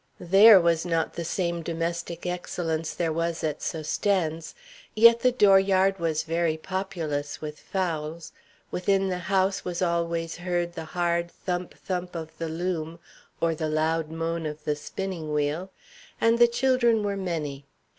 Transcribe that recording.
There was not the same domestic excellence there as at Sosthène's; yet the dooryard was very populous with fowls; within the house was always heard the hard thump, thump, of the loom, or the loud moan of the spinning wheel; and the children were many.